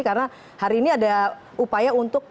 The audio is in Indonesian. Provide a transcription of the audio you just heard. karena hari ini ada upaya untuk